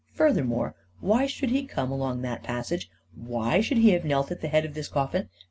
" Furthermore, why should he come along that passage? Why should he have knelt at the head of this coffin?